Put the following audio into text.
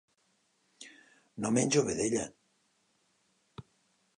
No menjo vedella.